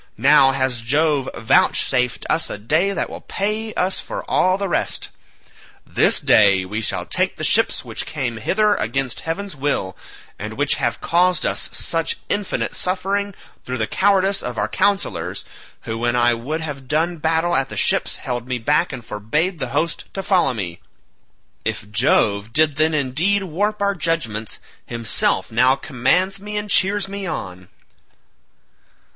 Now has Jove vouchsafed us a day that will pay us for all the rest; this day we shall take the ships which came hither against heaven's will, and which have caused us such infinite suffering through the cowardice of our councillors, who when I would have done battle at the ships held me back and forbade the host to follow me; if Jove did then indeed warp our judgements, himself now commands me and cheers me on."